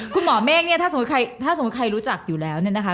คุณหมอเมฆเนี่ยถ้าสมมุติใครรู้จักอยู่แล้วเนี่ยนะคะ